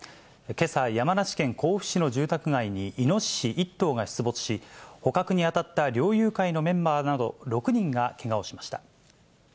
けさ、山梨県甲府市の住宅街にイノシシ１頭が出没し、捕獲に当たった猟友会のメンバーなど６人がけがをしました。